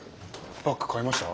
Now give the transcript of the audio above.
バッグ変えました？